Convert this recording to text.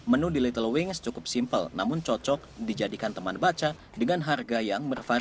untuk makanan menu di little wings cukup simpel namun cocok dijadikan teman baca dengan harga yang bervariat